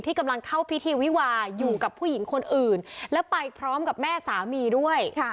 กำลังเข้าพิธีวิวาอยู่กับผู้หญิงคนอื่นแล้วไปพร้อมกับแม่สามีด้วย